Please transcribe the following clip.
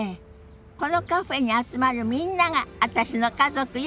このカフェに集まるみんなが私の家族よ。